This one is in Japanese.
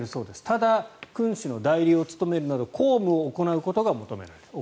ただ、君主の代理を務めるなど公務を行うことが求められる。